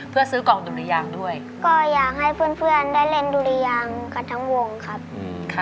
เพื่อซื้อกล่องดุรียางด้วยก็อยากให้เพื่อนได้เล่นดุรียางกับทั้งวงครับ